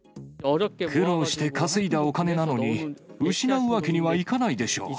苦労して稼いだお金なのに、失うわけにはいかないでしょう。